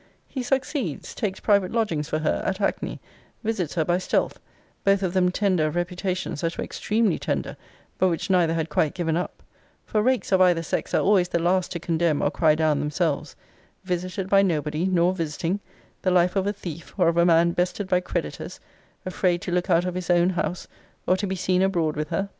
He succeeds; takes private lodgings for her at Hackney; visits her by stealth; both of them tender of reputations that were extremely tender, but which neither had quite given up; for rakes of either sex are always the last to condemn or cry down themselves: visited by nobody, nor visiting: the life of a thief, or of a man bested by creditors, afraid to look out of his own house, or to be seen abroad with her.